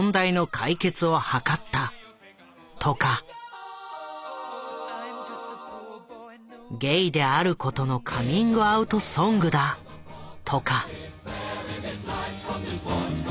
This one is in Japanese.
いわく「ゲイであることのカミングアウトソングだ」とか。